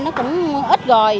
nó cũng ít rồi